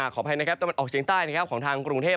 ขอบภัยนะครับตะวันตกเสียงใต้ของทางกรุงเทพ